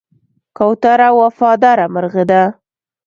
کوتره وفاداره مرغه ده.